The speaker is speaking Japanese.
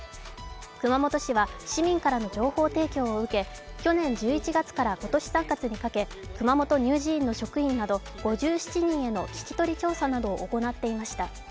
熊本市は市民からの情報提供を受け去年１１月から今年３月にかけ熊本乳児院の職員など５７人への聞き取り調査などを行っていました。